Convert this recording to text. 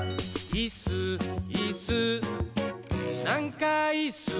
「いっすーいっすーなんかいっすー」